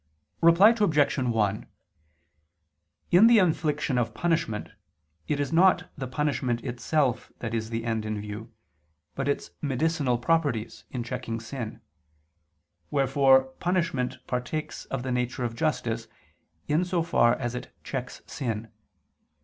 Reply Obj. 1: In the infliction of punishment it is not the punishment itself that is the end in view, but its medicinal properties in checking sin; wherefore punishment partakes of the nature of justice, in so far as it checks sin.